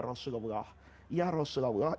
rasulullah ya rasulullah